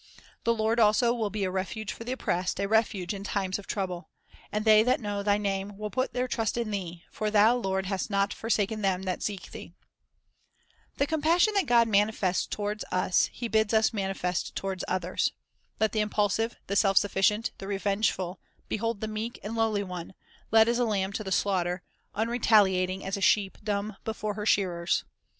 "" "The Lord also will be a refuge for the oppressed, a refuge in times of trouble. And they that know Thy name will put their trust in Thee; for Thou, Lord, hast not forsaken them that seek Thee." :; The compassion that God manifests toward us, He bids us manifest toward others. Let the impulsive, the self sufficient, the revengeful, behold the meek and lowly One, led as a lamb to the slaughter, unretali ating as a sheep dumb before her shearers.